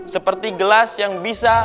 seperti gelas yang bisa